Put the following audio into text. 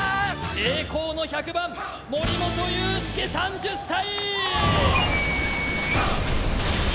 栄光の１００番森本裕介３０歳！